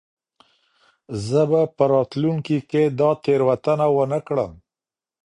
زه به په راتلونکې کې دا تېروتنه ونه کړم.